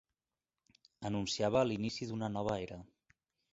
Anunciava l'inici d'una nova era.